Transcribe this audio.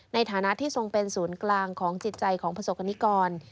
ในฐานะที่ทรงเป็นศูนย์กลางของจิตใจของประสบกรณิกร